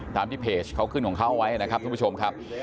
ตามที่เพจเขาขึ้นของเขาเอาไว้นะครับทุกผู้ชมครับ